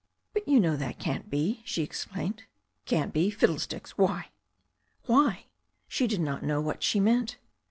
"But you know that can't be/' she exclaimed. "Can't be! Fiddlesticks! Why?" "Why !" She did not know what she meant.